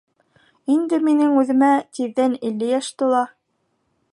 Инде минең үҙемә тиҙҙән илле йәш тула.